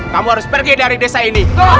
kamu harus pergi dari desa ini